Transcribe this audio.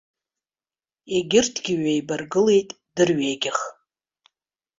Егьырҭгьы ҩеибаргылеит дырҩегьых.